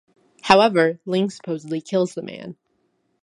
However, Ling supposedly kills the man.